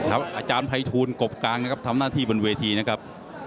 อาจารย์ไพทูลโกรธกำลังทำหน้าที่บนเวทีนะครับ